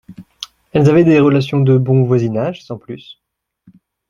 Elles avaient des relations de bon voisinage, sans plus.